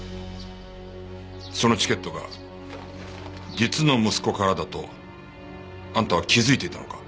そのチケットが実の息子からだとあんたは気づいていたのか？